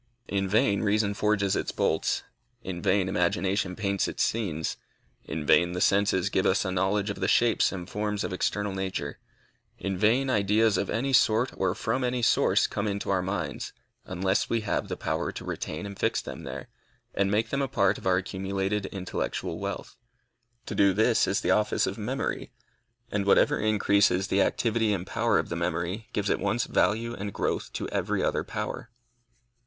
In vain reason forges its bolts, in vain imagination paints its scenes, in vain the senses give us a knowledge of the shapes and forms of external nature, in vain ideas of any sort or from any source come into our minds, unless we have the power to retain and fix them there, and make them a part of our accumulated intellectual wealth. To do this is the office of memory, and whatever increases the activity and power of the memory, gives at once value and growth to every other power.